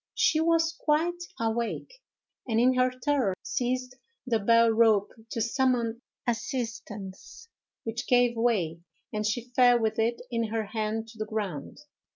She was quite awake, and in her terror seized the bell rope to summon assistance, which gave way, and she fell with it in her hand to the ground.